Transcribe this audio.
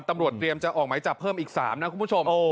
ตำรวจเตรียมจะออกใหม่จับเพิ่มอีก๓นะคุณผู้ชม